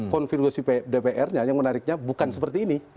konfigurasi dpr nya yang menariknya bukan seperti ini